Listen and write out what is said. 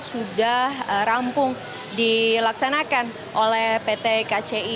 sudah rampung dilaksanakan oleh pt kci